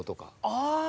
ああ。